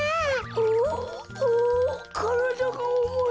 うううからだがおもい。